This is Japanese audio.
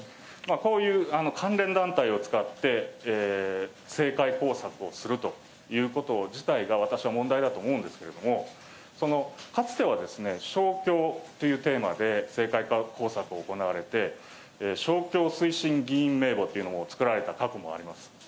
こういう関連団体を使って、政界工作をするということ自体が、私は問題だと思うんですけれども、かつては勝共というテーマで政界工作を行われて、勝共推進議員名簿というのも作られた過去もあります。